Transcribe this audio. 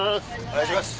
お願いします。